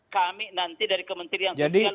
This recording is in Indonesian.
kami nanti dari kementerian perhubungan